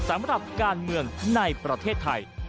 สำหรับการเมืองในประเทศไทย